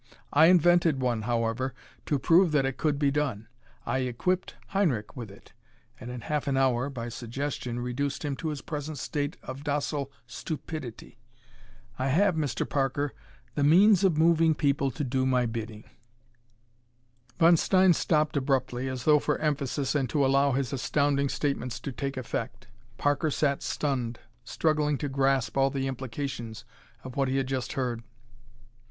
I invented one, however, to prove that it could be done. I equipped Heinrich with it and in half an hour by suggestion reduced him to his present state of docile stupidity. I have, Mr. Parker, the means of moving people to do my bidding!" Von Stein stopped abruptly, as though for emphasis and to allow his astounding statements to take effect. Parker sat stunned, struggling to grasp all the implications of what he had just heard.